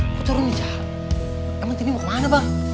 emang cintinny mau kemana bang